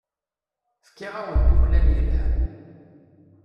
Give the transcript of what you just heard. Fkiɣ-awent umlan yelhan.